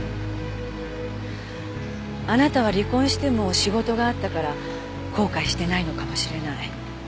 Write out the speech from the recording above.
あなたは離婚しても仕事があったから後悔してないのかもしれない。